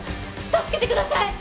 助けてください！